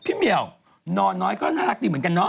เหมียวนอนน้อยก็น่ารักดีเหมือนกันเนาะ